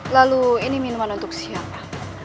lalu ini minuman untuk siapa